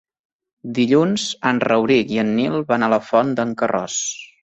Dilluns en Rauric i en Nil van a la Font d'en Carròs.